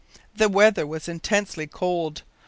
The weather was intensely cold.